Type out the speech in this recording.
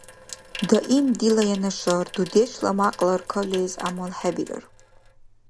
Даим дила янашар, дудешла мякьлар, калес гӀямалхӀебирар.